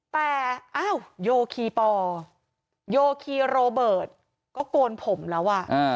แต่โยคีปอร์โยคีโรเบิร์ตก็โกนผมแล้ว